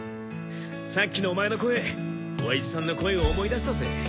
さっきのオマエの声おやじさんの声を思い出したぜ。